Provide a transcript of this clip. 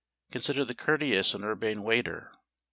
Consider the courteous and urbane waiter.